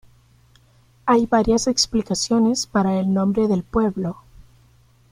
Hay varias explicaciones para el nombre del pueblo.